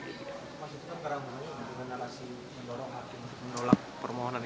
mas itu kan karang bunganya mengenalasi mendorong hakim mendolak permohonan